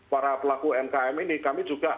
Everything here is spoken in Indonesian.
para pelaku umkm ini kami juga